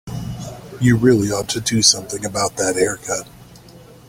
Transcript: You really ought to do something about that haircut.